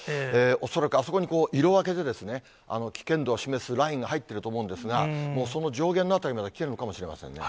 恐らくあそこに色分けで、危険度を示すラインが入ってると思うんですが、もうその上限の辺りまで来ているのかもしれませんね。